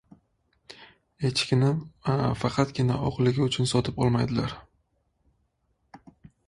• Echikini faqatgina oqligi uchun sotib olmaydilar.